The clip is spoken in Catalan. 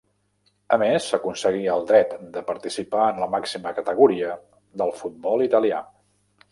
A més aconseguí el dret de participar en la màxima categoria del futbol italià.